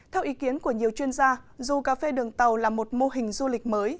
theo ý kiến của nhiều chuyên gia dù cà phê đường tàu là một mô hình du lịch mới